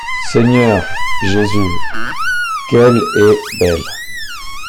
Seigneur Jésus, qu’elle est belle!